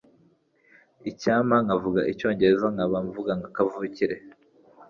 Icyampa nkavuga icyongereza nkaba mvuga kavukire.